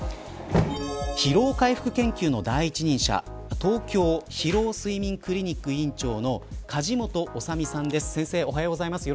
疲労回復研究の第一人者東京疲労・睡眠クリニック院長の梶本修身さんです。